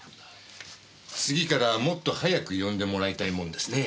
次からはもっと早く呼んでもらいたいもんですねえ。